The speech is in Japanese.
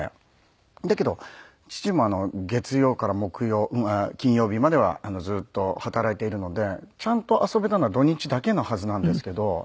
だけど父も月曜から木曜金曜日まではずーっと働いているのでちゃんと遊べたのは土日だけのはずなんですけど。